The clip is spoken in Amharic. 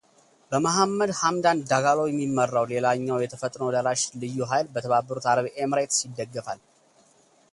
በመሐመድ ሐምዳን ዳጋሎ የሚመራው ሌላኛው የፈጥኖ ደራሽ ልዩ ኃይል በተባበሩት አረብ ኤምሬትስ ይደገፋል።